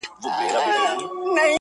د وخت پاچا زما اته ي دي غلا كړي.